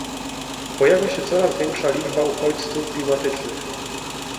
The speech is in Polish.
Pojawia się coraz większa liczba uchodźców klimatycznych